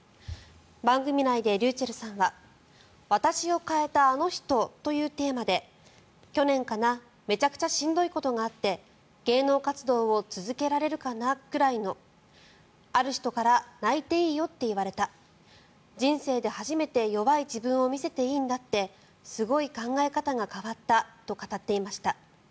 番組内でｒｙｕｃｈｅｌｌさんは私を変えたあの人というテーマで去年かな、めちゃくちゃしんどいことがあって芸能活動を続けられるかなくらいのある人から泣いていいよって言われた人生で初めて弱い自分を見せていいんだってすごい考え方が変わったと語っていました。